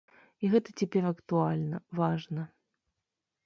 І гэта цяпер актуальна, важна.